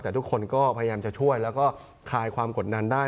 แต่ทุกคนก็พยายามช่วยและถ่ายความกดดันได้